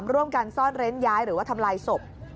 ร่วมกันซ่อนเร้นย้ายหรือว่าทำลายศพ